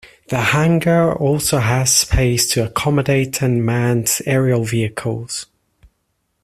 The hangar also has space to accommodate Unmanned aerial vehicles.